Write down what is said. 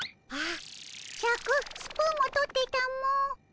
シャクスプーンも取ってたも。